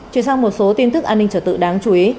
chuyển sang một số tin tức an ninh trở tự đáng chú ý